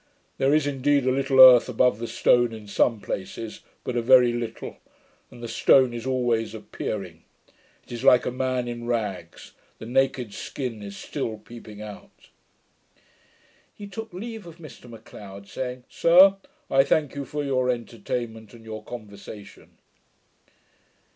There is, indeed, a little earth above the stone in some places, but a very little; and the stone is always appearing. It is like a man in rags; the naked skin is still peeping out.' He took leave of Mr M'Leod, saying, 'Sir, I thank you for your entertainment, and your conversation.'